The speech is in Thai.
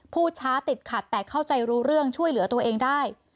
พูดช้าติดขัดแต่เข้าใจรู้เรื่องช่วยเหลือตัวเองได้